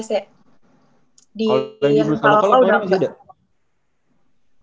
kalau yang dulu di nusa loka